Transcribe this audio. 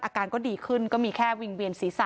อาการก็ดีขึ้นก็มีแค่วิ่งเวียนศีรษะ